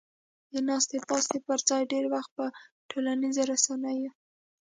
د ناستې پاستې پر ځای ډېر وخت په ټولنیزو رسنیو